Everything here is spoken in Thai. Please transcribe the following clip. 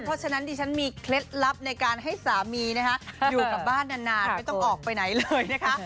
เพราะฉะนั้นดิฉันมีเคล็ดลับในการให้สามีนะคะอยู่กับบ้านนานไม่ต้องออกไปไหนเลยนะคะ